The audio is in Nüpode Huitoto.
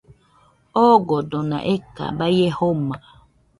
Ogodona eka baie joma